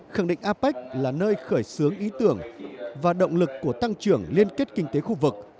khẳng định apec là nơi khởi xướng ý tưởng và động lực của tăng trưởng liên kết kinh tế khu vực